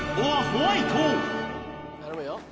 頼むよ。